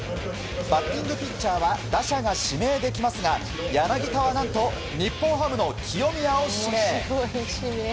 バッティングピッチャーは打者が指名できますが柳田は何と日本ハムの清宮を指名。